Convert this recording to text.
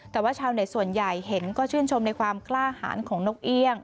แต่ว่าชาวเน็ตส่วนใหญ่เห็นก็ชื่นชมในความกล้าหารของนกเอี่ยง